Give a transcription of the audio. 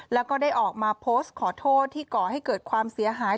แล้วก็ได้ออกมาโพสต์ขอโทษที่ก่อให้เกิดความเสียหาย